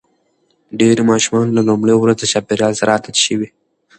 ډېری ماشومان له لومړۍ ورځې د چاپېریال سره عادت شي.